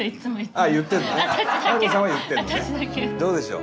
どうでしょう？